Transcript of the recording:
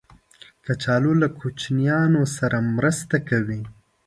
کچالو له کوچنیانو سره مرسته کوي